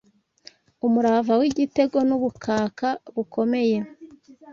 Umurava w'igitego N'ubukaka bukomeye